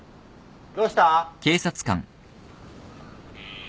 どうした？